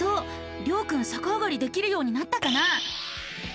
りょうくんさかあがりできるようになったかな？